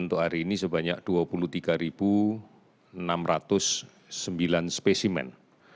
untuk hari ini sebanyak dua puluh tiga enam ratus sembilan spesimen